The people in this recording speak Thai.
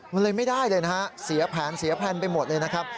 มันเลยไม่ได้เลยนะครับเสียแผนไปหมดเลยนะครับ